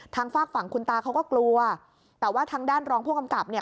ฝากฝั่งคุณตาเขาก็กลัวแต่ว่าทางด้านรองผู้กำกับเนี่ย